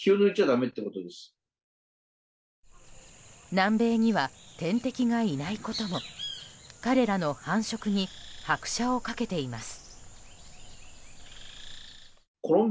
南米には天敵がいないことも彼らの繁殖に拍車を掛けています。